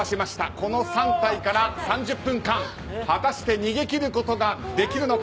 この３体から３０分間果たして逃げ切ることができるか。